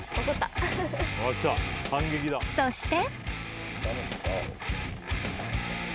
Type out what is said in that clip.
［そして］